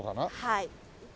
はい。